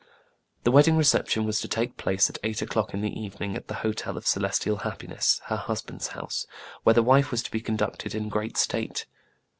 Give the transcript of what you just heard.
The wedding reception was to take place at eight o'clock in the evening at the Hotel of Celes tial Happiness, her husband's house, where the . wife was to be conducted in great state.